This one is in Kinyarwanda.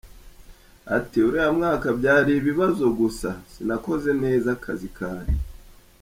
Ati “Uriya mwaka byari ibibazo gusa, sinakoze neza akazi kanjye.